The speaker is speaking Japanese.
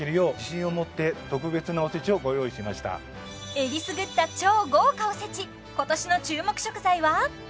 えりすぐった超豪華おせち今年の注目食材は？